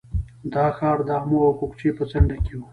دا ښار د امو او کوکچې په څنډه کې و